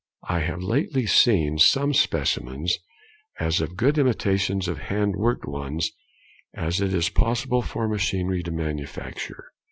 I have lately seen some specimens of as good imitations of hand worked ones as it is possible for machinery to manufacture.